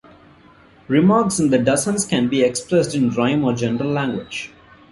Remarks in the Dozens can be expressed in rhyme or general language.